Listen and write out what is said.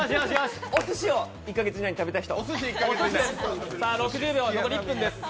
おすしを１か月以内に食べた人。